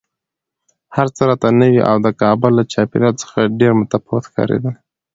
هر څه راته نوي او د کابل له چاپېریال څخه ډېر متفاوت ښکارېدل